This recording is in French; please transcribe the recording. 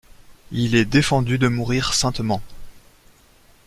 Il est défendu de mourir saintement.